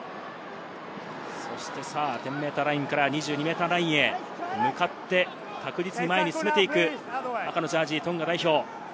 １０ｍラインから２２ｍラインへ向かって確実に前に進めていく、赤のジャージー、トンガ代表。